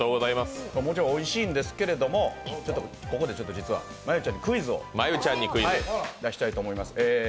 もちろんおいしいんですけれども、ここで実は真悠ちゃんにクイズを出したいと思います。